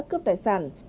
cướp tài sản